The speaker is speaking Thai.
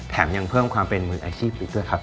ยังเพิ่มความเป็นมืออาชีพอีกด้วยครับ